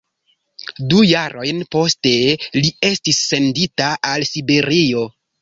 Du jarojn poste li estis sendita al Siberio.